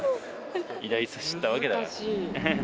偉大さ、知ったわけだから。